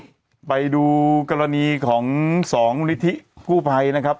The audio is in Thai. ภายคนไปดูกรณีของ๒มูลนิทิชน์กู้ภัยนะครับ